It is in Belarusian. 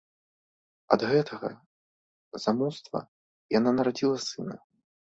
Ад гэтага замуства яна нарадзіла сына.